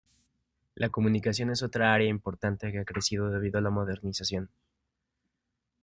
La comunicación es otra área importante que ha crecido debido a la modernización.